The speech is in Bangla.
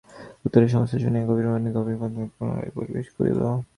উত্তরে সমস্ত শুনিয়া গম্ভীর-ভাবে ঘরের মধ্যে পুনরায় প্রবেশ করিল।